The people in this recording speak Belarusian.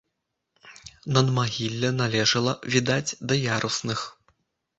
Надмагілле належала, відаць, да ярусных.